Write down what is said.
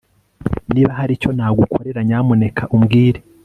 Niba hari icyo nagukorera nyamuneka umbwire